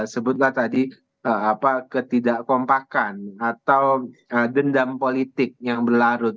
sebutlah tadi ketidakkompakan atau dendam politik yang berlarut